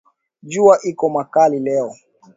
Juwa iko makali leo